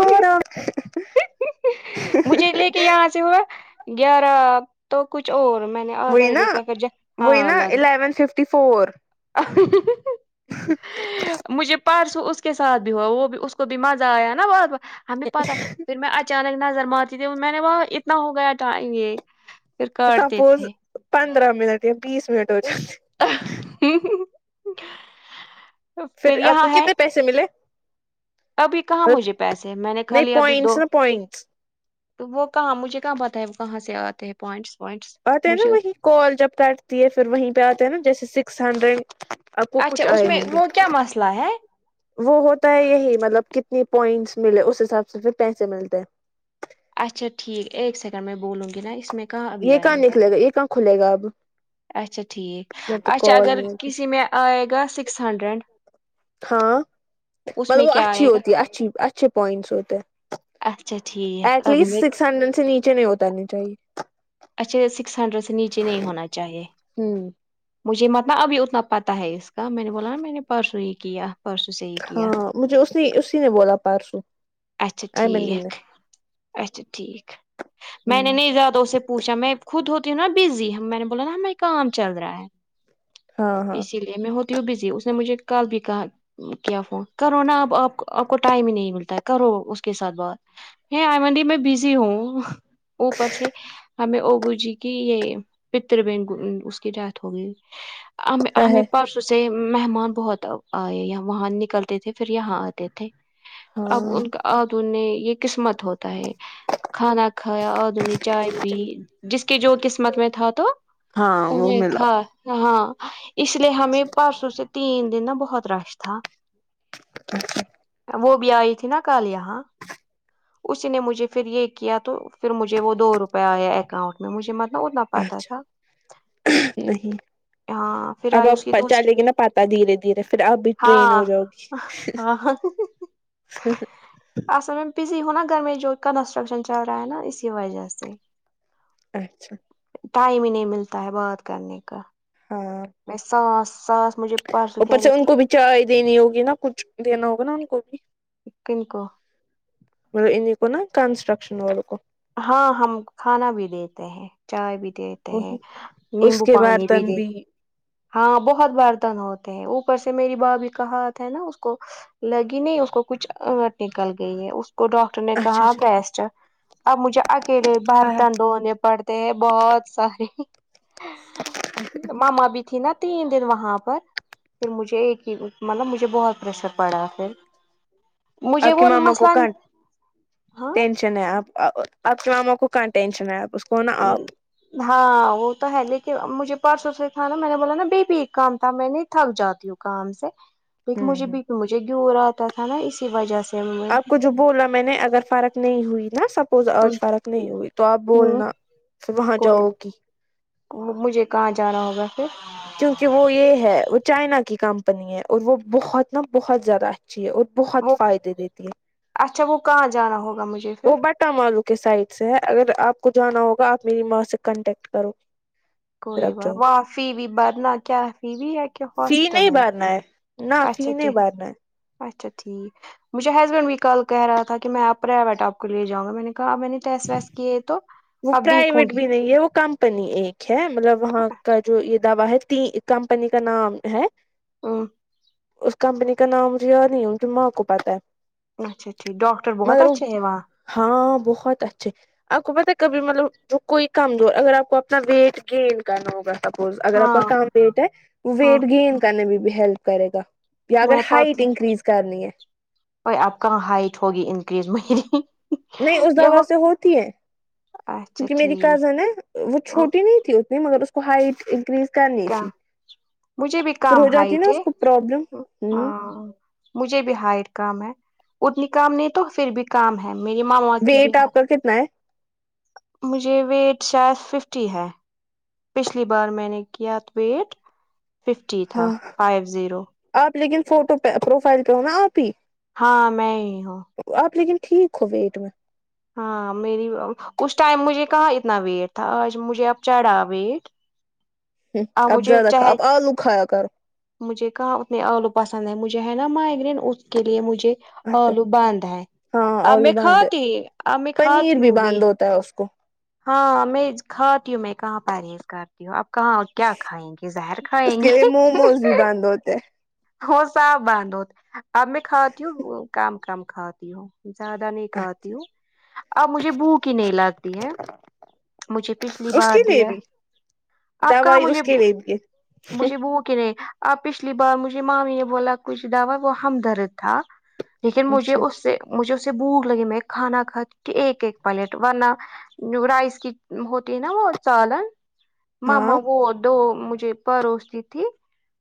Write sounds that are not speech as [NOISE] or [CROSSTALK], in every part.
وہی مجھے لے کے یہاں سے ہوا گیارہ تو کچھ اور میں نے آدھا وہئی ہی نا دیکھا پھر جا وہئی نا الیون ففٹی فور اہ [UNINTELLIGIBLE] ہ [INAUDIBLE] مجھے پرسوں اس کے ساتھ بھی ہوا وہ بھی اس کو بھی مزہ آیا ہے نا بت ب ہمیں پتا پھر میں اچانک نظر مارتی تھی میں نے وہ اتنا ہو گیا ٹائم یہ پھر کاٹتے سپوز تھے پندرہ منٹ یا بیس منٹ ہو جائے پھر یہاں ہے س ملے [UNINTELLIGIBLE] ابھی کہاں مجھے پیسے میں نے کھا نہیں ل ابھی دو پوائنٹس نا پوائنٹس تو وہ کہاں مجھے کہاں پتہ ہے وہ کہاں سے آتے ہیں پونٹس پونس آتے ہیں نا وہیں کال جب کاٹتی ہے پھر وہیں پہ آتے ہیں نا جیسے سکس ہنڈریڈ آپ کو اچھا کچھ اس آئے میں ہوں گے وہ کیا مسئلہ ہے وہ ہوتا ہے یہی مطلب کتنی پوائنٹس ملے اس حساب سے پھر پیسے ملتے ہیں اچھا ٹھیک ایک سیکنڈ میں بولوں گی نا اس میں ابھی یہ کہاں آئے نکلے گا یہ کہاں کھلے گا اب اچھا ٹھیک جب تک اچھا کال اگر نہیں آتی کسی میں آئے گا سکس ہنڈریڈ ہاں اس مطلب میں وہ کیا اچھی آئے گا ہوتی ہے اچھی اچھے پوائنٹس ہوتے اچھا ٹھیک ایٹ ابھی لیسٹ میں سکس ہنڈریڈ سے نیچے نہیں اترنی چاہیے اچھا سکس ہنڈریڈ سے نیچے نہیں ہونا چاہیے ہوں مجھے مت ن ابھی اتنا پتا ہے اس کا میں نے بولا نا میں نے پرسوں ہی کیا پرسوں سے ہی کیا ہاں مجھے اس نے اسی نے بولا پارسو اچھا آ مندی نے ٹھیک اچھا ٹھیک میں نے نہیں زیادہ اسے پوچھا میں خود ہوتی ہوں نا بزی میں نے بولا نا ہمیں کام چل رہا ہے ہاں ہاں اسی لیے میں ہوتی ہوں بزی اس نے مجھے کال بھی کہا کیا ف کرو نا ابپ آپ کو ٹائم ہی نہیں ملتا ہے کرو اس کے ساتھ بات آئی مڈی میں بزی ہوں اوپر سے ہمیں اوبو جی کی یہ پتر بین اس کی ڈیتھ ہوگئی ہم ہے ہمیں ہے پرس اس سے مہمان بہت آئے وہاں نکلتے تھے پھر یہاں آتے تھے اب ہاں ان کا آدون نے یہ قسمت ہوتا ہے کھانا کھایا آدنی چائے جس کی جو قسمت میں تھا تو ہاں وہ انہیں ملا کا ہاں اس لیے ہمیں پرسوں سے تین دن نا بہت رش تھا اچ [UNINTELLIGIBLE] وہ بھی آئی تھی نا کل یہاں اسی نے مجھے پھر یہ کیا تو پھر مجھے وہ دو روپے آیا اکاؤنٹ مجھے مت نہ اتنا پاتا تھا اچھا نہیں [UNINTELLIGIBLE] ہاں پھر اب آئی اس کی اب دوسری چلے گی نا پتا دھیرے دھیرے پھر اب بھی ٹرین ہاں ہو جاؤ گی [UNINTELLIGIBLE] [UNINTELLIGIBLE] اصل میں بزی ہوں نا گھر میں جو کنسٹرکشن چل رہا ہے نا اسی وجہ سے- اچھا- ٹائم ہی نہیں ملتا ہے بات کرنے کا- ہاں- بسس اوپر سے ان کو بھی چائے دینی ہوگی نا کچھ دینا ہوگا نا ان کو بھی- کن کو مطلب ان کو نا کنسٹرکشن والول کو- ہاں ہم کھانا بھی دیتے ہیں چائے بھی دیتے ہیں وہی اس نیمبو کے پانی بھی برتن د- ہاں بہت برتن ہوتے ہیں اوپر سے میری با بھی کہات ہے نا اس کو- لگی نہیں اس کو کچھٹ نکل گئی ہے اس کو ڈاکٹر نے اچھا کہا اچھا بیسٹ- اب مجھے اکیلے ہاں ہاں برتن دھونے پڑتے ہیں بہت سارے- ماما بی تھی ن- تین دن وہاں پر پھر مجھے ایک ہی مطلب مجھے بہت پریشر پڑا پھر- مجھے آپ کے وہ ماما کو کہاں نمبر- آپ، آپ کے ماما کو کہاں ٹینشن ہے آپ اس کو نا آپ- ہاں وہ تو ہے لیکن مجھے پرسوں سے تھا نا میں نے بولا نا بی بھی ایک کام تھا میں نہیں تھک جاتی ہوں- کام سے لکہ ہوں مجھے-مجھے گور آتا تھا نا اسی وجہ سے- آپ کو جو بولا میں نے اگر فارق نہیں ہوئی نا سب- آج فرق نہیں ہوگی تو آپ ہوں بولنا پ وہاں کوئی جاؤ گی- مجھے کہاں جانا ہوگا پھر- کیونکہ وہ یہ ہے وہ چائنا کی کمپنی ہے اور وہ بہت نا بہت زیادہ ہے- ا اور بہت وہ فائدے دیتی ہے اچھا وہ کہاں جانا ہوگا مجھے پھر وہ بٹ- چٹ ملو کے سائڈ سے ہے اگر آپ کو جانا ہوگا آپ میری ماں سے کانٹیکٹ کرو- پھر کوئی آپ واہ جاؤ وفی بھی برنا کیا فی بھی ہے- فی ہسپٹل نہیں ہے بھرنا نہ اچھا فی نہیں ٹھ- بھرنا ہے اچھا ٹھیک مجھے ہسبینڈ بھی کل کہہ رہا تھا کہ میں آپ پرائیویٹ آپ کو لے جاؤں گا میں نے- کہ میں نے ٹیس ویس کیے تو وہ اب دیکھوں پرائیویٹ گی بھی نہیں ہے وہ کمپنی ایک ہے مطلب وہاں کا جو یہ دا ہے تین- کمپنی کا نام ہے [UNINTELLIGIBLE] اس کمپنی کا نام مجھے یا نہیں مجھے میں آپ کو پتاہ ہے- اچھا ٹھیک ڈاکٹر بہت مگر وہ اچھے ہیں وہاں- ہاں بہت اچھے آ کوب ت کبھی مطلب جو کوئی کم دور اگر آپ کو اپنا ویٹ گینین کرنا ہوگا- سپوز اگر آپ ہاں کام ویٹ ہے وہ ہاں ویٹ گین کرنے میں بھی ہیلپ کرے گا یا اگر میں ہائٹ پتلی انکریز کرنی ہے- اور آپ کہاں ہائٹ ہوگی انکریز مری- نہیں اس دوا سے ہوتی ہے- اچھا کیونکہ میری ٹھیک کزن ہے وہ چھوٹی نہیں تھی اتنی مگر اس کو ہائٹ انکریز- کرنی کیا تھی مجھے بھی پھر کام ہو جاتی نا ہائٹ اس ہے کو پرابلم ہ ہاں- مجھے بھی ہائر کام ہے اتنی کام نہیں تو پھر بھی- کام ہے میری ماں ماں کی ویٹ بےحار آپ کا کتنا ہے مجھے ویٹ شاید ففٹی ہے پچھلی بار میں نے کیا ویٹ ففٹی تھا ہاں فائیو زیرو آپ لیکن فوٹو پہ پروفائل پہ ہ نا آپ ہی ہاں میں ہی ہوں آپ لیکن ٹھیک ہو ویٹ میں ہاں میری اس ٹائم مجھے کہاں اتنا ویٹ تھا آج مجھے اب چڑھا ویٹ ہ اور اب مجھے زیادہ کھ چاہے اب آلو کھایا کر مجھے کہاں اتنے آلو پسند ہے مجھے ہے نا مائگرین اس کے لیے مجھے اچھا آلو بانھ ہے ہاں آ میں آلو باند کھاتی آ میں پنیر کھاتی ہوں بھی باند ہوتا ہے اس کو ہاں میں کھاتی ہوں میں کہاں پا رہی ہ اس گھر آپ کہاں کیا کھائیں گے زہر اس کھائیں کے گے لیے موموز بھی باند ہوتے ہیں۔ ہو صاف بند ہو اب میں کھاتی ہوں کم کم کھاتی ہوں زیادہ نہیں کھاتی اچھا ہوں اب مجھے بھوک ہی نہیں لگتی ہے مجھے پچھلی اس بار کے لیے دیا بھی آپ کہاں دوائی مجھے اس کے لیے بھی مجھے بو کہہ آپ پچھلی بار مجھے مامی نے بولا کچھ دعوا وہ ہمدرد تھا لیکن مجھے اچھا اس سے مجھے اسے بھوک لگی میں کھانا کھا ایک ایک پلیٹ ورنہ رائس کی ہوتی ہے نا وہ چالن ہاں ماما وہ دو مجھے پروس دی تھی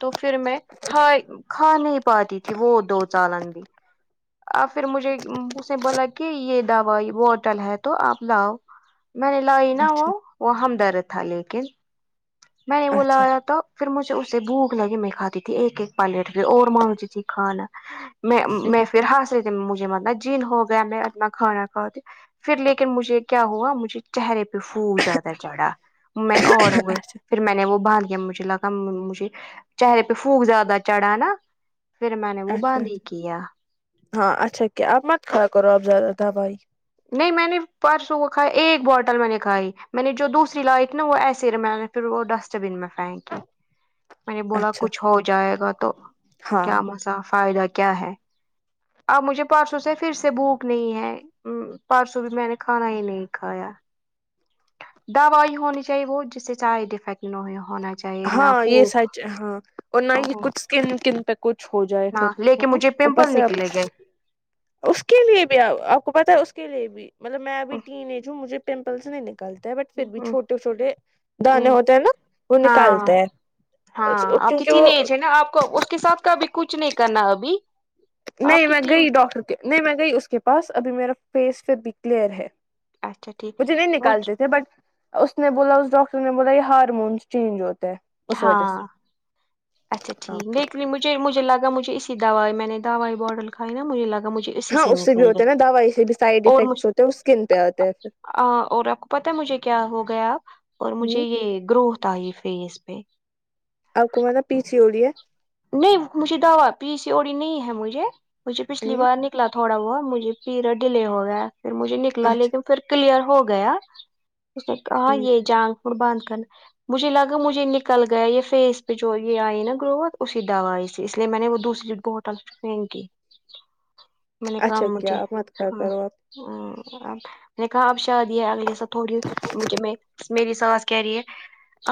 تو پھر میں ک کھا نہیں پاتی تھی وہ دو چالن بھی اور پھر مجھے اس نے بولا کہ یہ دوائی بوٹل ہے تو آپ لاؤ میں نے لائی نا وہ اچھا وہ ہمدرد تھا لیکن میں نے وہ اچھا لایا تو پھر مجھے اسے بھوک لگی میں کھاتی تھی ایک ایک پلیٹ اور مجھے تی کھانا میں میں اچھا پھر ہاستے مجھے متنا جن ہو گیا میں اتنا کھانا کتی پھر لیکن مجھے کیا ہوا مجھے چہرے پہ پوول زیادہ چڑھا میں اور ہو گئی پھر میں نے وہ باند دیا مجھے لگا مجھے چہرے پہ پھونک زیادہ چڑھا نا پھر میں نے وہ اچھا باند ہی اچھا کیا ہاں اچا کہ آپ ما ک خیا کرو آپ زیادہ دوائ نہیں میں نے پرسوں وہ کھ ایک بوٹل میں نے کھائی میں نے جو دوسری لائی تھی نا وہ ایسے میں پھر وہ ڈسٹ بین میں پھینک میں نے بولا اچھا کچھ ہو جائے گا تو ہاں کیا مسا فائدہ کیا ہے اب مجھے پرسوں سے پھر سے بھوک نہیں ہے ہ پرسو بھی میں نے کھانا ہی نہیں کایا دوائی ہونی چاہیے وہ جس سے سائڈ افیکٹ ہونا چاہیے نہ ہاں یہ پھوک سچ ہاں اور نہ یہ کچھ کن کن پہ کچھ ہو جائے پھر ہاں لیکن نا مجھے اوپر پمپل سے آ نکلے گئے اس کے لیے بھی آپ کو پت ہے اس کے لیے بھی مطلب میں اب ٹین ایج ہوں مجھے پمپلس نہیں نکلتا بٹ پھر بھی چھوٹے چھوٹے دانے ہوتے ہیں نا [UNINTELLIGIBLE] ہاں نکالتے ہیں ہاں آپ کی کیونکہ وہ تین ایج ہے نا آپ اس کے ساتھ کابھی کچھ نہیں کرنا ابھی آپ نہیں کی میں تین گئی ڈاکٹر کے نہیں میں گئی اس کے پاس ابھی میرا فیس پھر بھی کلیئر ہے اچھا ٹھیک مجھے نہیں مجھ نکالتے تھے بٹ اس نے بولا اس ڈاکٹر نے بولا یہ ہارمون چینج ہوتا ہے اس وجہ سے ہاں اچھاٹھیک مجھے مجھے لگا مجھے اسی دوائی میں نے دوائی باٹل کھائی نا مجھے لگا مجھے اسی ہاں سے اس بھی نکل گ ہوتا ہے نا دوائی سے بھی سائڈ اور م افیکٹس ہوتے ہیں وہ اسکن پہ آتے ہیں پھر ہ اور ر پتا مجھے کیا ہو گیا اور مجھے ہوں یہ گروھ آئی فیس پہ آپ کو میں نا پیچھیے ہو رہی ہے نہیں مجھے دعوا پی سی اوڑی نہیں ہے مجھے مجھے ہے پچھلی ہ بار ن ن تھوڑا بہت مجھے پیریڈ ڈیے ہو گیا پھر مجھے نکلا اچھا لیکن پھر کلیئر ہو گیا اس نے کہا ٹھیک یہ جان بند کرنا مجھے لگا مجھے نکل گیا یہ فیس پہ جو یہ آئی نا گروت اسی دعا آئی سے اس لیے میں نے وہ دوسری لٹ کو ہوٹال چ ان کی میں نے کام اچھا مجھے کیا آپ مت کھایا ہاں کرو آپ اب [UNINTELLIGIBLE] میں نے کہا اب شادی ہے اگلے سال تھوڑی مجھے میں میری ساس کہہ رہی ہے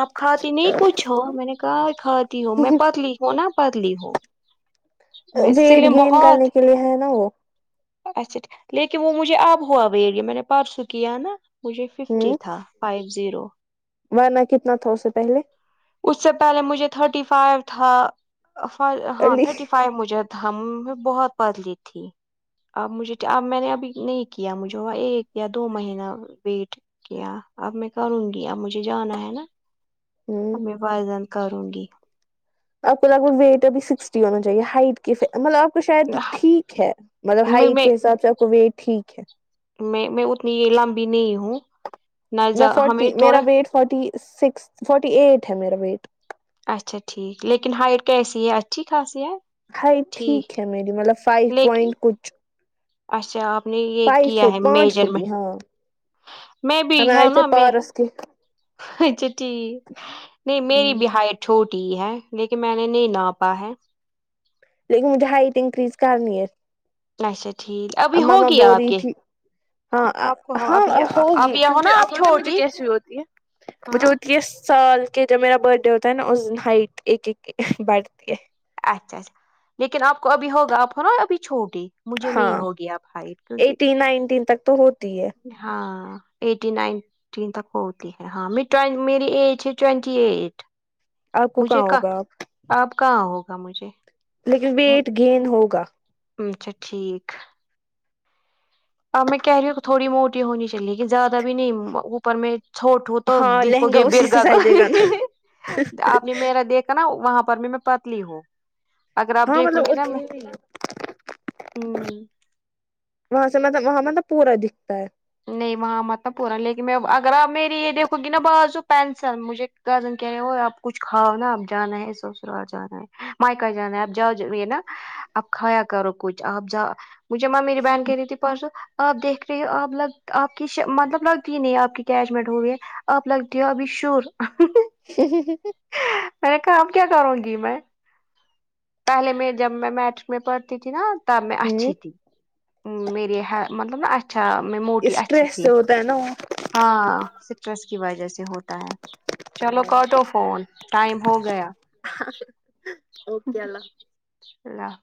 آپ کھاتی نہیں کچھ ہو میں نے کہا کھاتی ہو میں پتلی ہوں نا پتلی ہو ویٹ گینین کرنے کے لیے ہے نا وہ اچھا لیکن وہ مجھے اب ہوا بی میں نے پرسوں کیا ہے نا مجھے ففٹی ہ تھا فائیو زیرو ورنہ کتنا تھا اسے پہلے اس سے پہلے مجھے تھرٹی فائیو تھا ہاں علی تھرٹی فائیو مجھے ہم نے بہت بدلی تھی اب مجھے اب میں نے ابھی نہیں کیا مجھے وہ ایک یا دو مہینہ ویٹ کیا اب میں کروں گی اب مجھے جانا ہے نا ہ اب میں فزند کروں گی آپ کو لگ ویٹ اب سکسٹی ہونا چاہیے ہائٹ کی مطلب آپ آ کو شاید ٹھیک ہے مطلب میں ہائٹ کے حساب سے آپ کو ویٹ ٹھیک ہے میں میں اتنی یہ لمبی نہیں ہوں نہ میں زیا- فورٹی ہمیں تھوڑا میرا weight forty six forty eight ہے میرا ویٹ اچھا ٹھیک لیکن ہائٹ کیسی ہے اچھی خاص ہے ہائی ٹھیک ہے میری مطلب فائیو لیکن پوائنٹ کچھ اچھا آپ نے یہ فائیو کیا ہے فٹ پانچ فٹ میجرمنٹ ہاں میں بھی ہمیں آئے ہوں تھے نا میں پارس کے اچ چٹ نہیں میری ب ہائ چھوٹی ہی ہے لیکن میں نے نہیں نا پا ہے لیکن مجھے ہائٹ انکریز کرنی ہے اچھا ٹھیک ابھی امماما ہوگی بوور آپ کے تھی [UNINTELLIGIBLE] ہاں آپ کو ہو ہاں ابھی ہوگی ابھی ہو کیونکہ نا آپ ا مجھے چھوٹی کیسی ہوتی ہے مجھے ہاں ہوتی ہے سال کے جب میرا برتھ ڈے ہوتا ہے نا اس دن ہائٹ ایک ایک بڑھتی ہے اچھا اچھا لیکن آپ کو ابھی ہوگا آپ ہو نا ابھی چھوٹی مجھے نہیں ہاں ہوگی آپ ہائٹ کیونکہ ایٹ نائنٹیین تک تو ہوتی ہے ہاں [INAUDIBLE] ایٹی نائنٹی تک ہوتی ہے ہاں میری ایج ہے ٹوینٹی ایٹ آپ کو کہاں مجھے کہ ہوگا آپ آپ کہاں ہوگا مجھے لیکن ویٹ گینین ہوگا اچھا ٹھیک اب میں کہہ رہی ہوں تھوڑی موٹی ہونی چاہیے کہ زیادہ بھی نہیں اوپر میں چھوٹ ہو تو ہاں دیککھو لہنگا گے اسی سے بیرگا گ سجے گا نا آپ نے میرا دیکھا نا وہاں پر بھی میں پتلی ہوں اگر آپ ہاں دیکھوں مطلب گی نا میں اتنی نہیں وہاں سے مطلب وہاں مطلب پورا دکھتا ہے نہیں وہاں مت پورا لیکن میں اگر آپ میری یہ دیکھو گی نا بازو پینسل مجھے ن کہہ رہے ہو آپ کچھاؤ نا آپ جانا ہے سسرال جانا ہے مائیک جانا ہے آب جاؤ نا اپ کھایا کرو کچھ آپ جا مجھے ماں میری بہن کہہ رہی تھی پرارسوں آپ دیکھ رہی ہو آپ لگ آپ کی مطلب لگتی نہیں آپ کی اٹیچمنٹ ہو گئی ہے آپ لگتی ہو ابھی شور [UNINTELLIGIBLE] میں نے کام کیا کروں گی میں پہلے میں جب میں میٹک میں پڑھتی تھی نا تب میں ہ اچھی تھی میرری مطلب نا اچھا میں موٹی اچھی اسٹریس تھی سے ہوتا ہے نا ہاں سٹرس کی وجہ سے ہوتا ہے چلو کاٹ آف فون ٹائم ہو گیا [UNINTELLIGIBLE] اللہ حافظ